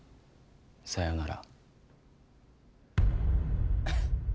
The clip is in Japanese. さようなら